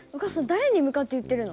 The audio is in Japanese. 誰に向かって言ってるの？